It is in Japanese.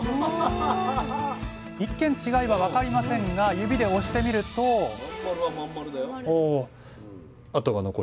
一見違いは分かりませんが指で押してみるとああ。